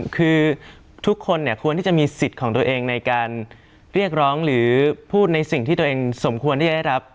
คือทุกคนเนี่ยควรที่จะมีสิทธิ์ของตัวเองในการเรียกร้องหรือพูดในสิ่งที่ตัวเองสมควรที่จะได้รับ